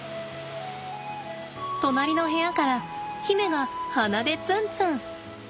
隣の部屋から媛が鼻でツンツン。